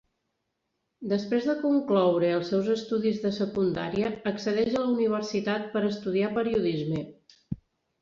Després de concloure els seus estudis de secundària accedeix a la Universitat per estudiar Periodisme.